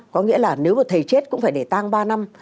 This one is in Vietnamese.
có nghĩa là nếu một thầy chết cũng phải để tang ba năm